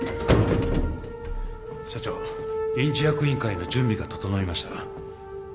社長臨時役員会の準備が整いましたが。